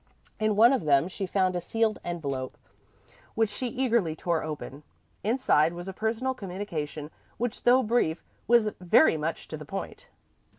In one of them she found a sealed envelope, which she eagerly tore open. Inside was a personal communication which, though brief, was very much to the point.